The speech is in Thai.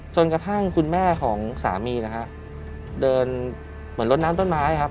จนกระทั่งคุณแม่ของสามีนะฮะเดินเหมือนรถน้ำต้นไม้ครับ